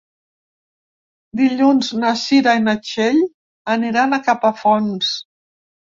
Dilluns na Cira i na Txell aniran a Capafonts.